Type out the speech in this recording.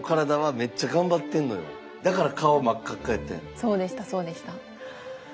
そうでしたそうでした。